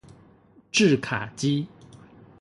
製卡機